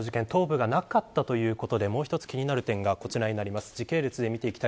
今回の事件、頭部がなかったということで、もう一つ気になる点がこちらです。